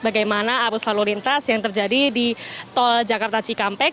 bagaimana arus lalu lintas yang terjadi di tol jakarta cikampek